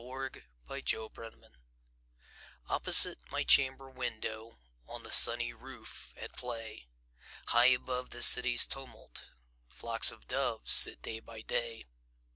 Louisa May Alcott My Doves OPPOSITE my chamber window, On the sunny roof, at play, High above the city's tumult, Flocks of doves sit day by day.